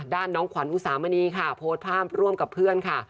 น้องขวัญอุสามณีค่ะโพสต์ภาพร่วมกับเพื่อนค่ะ